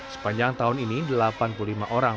sepanjang tahun ini delapan puluh lima orang